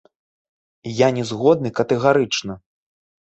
Я не згодны катэгарычна.